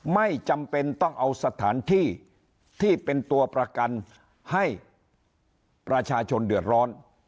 ไม่จำเป็นต้องเอาสถานที่ที่เป็นตัวประกันให้ประชาชนเดือดร้อน